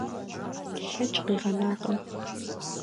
Лъэкӏ къигъэнакъым.